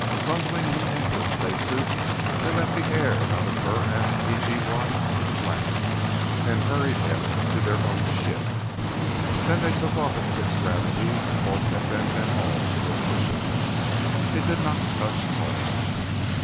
Bundling him into a spacesuit, they let the air out of the BurAst P.G.1. with a blast and hurried him to their own ship. Then they took off at six gravities, a force that bent them all into their cushions. It did not touch Paul.